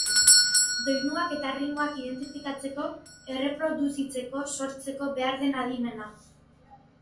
Doinuak eta erritmoak identifikatzeko, erreproduzitzeko, sortzeko behar den adimena.